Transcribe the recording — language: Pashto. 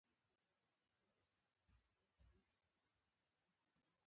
د اندازې سیسټمونه